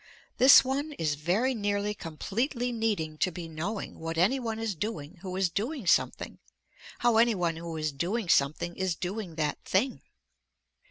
This one is very nearly completely needing to be knowing what any one is doing who is doing something, how any one who is doing something is doing that thing.